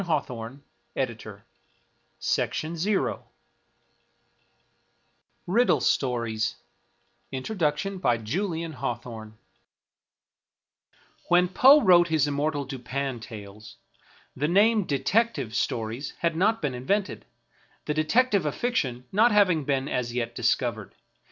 Wieland's Madness 222 •^^ Riddle Stories''^ Introduction by Julian Hawthorne V\7HEN Poe wrote his immortal Dupin talcs, the name " Detective " stories had not been invented ; the de tective of fiction not having been as yet discovered.